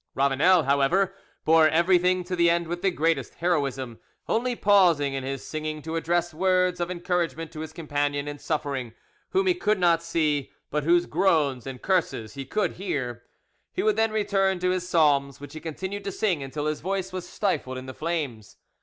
Ravanel, however, bore everything to the end with the greatest heroism, only pausing in his singing to address words of encouragement to his companion in suffering, whom he could not see, but whose groans and curses he could hear; he would then return to his psalms, which he continued to sing until his voice was stifled in the flames.